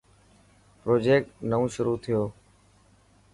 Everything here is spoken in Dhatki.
پروجيڪٽ نئون شروع ٿيو.